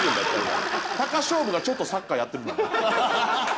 鷹匠部がちょっとサッカーやってる。